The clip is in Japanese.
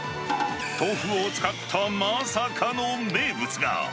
豆腐を使ったまさかの名物が。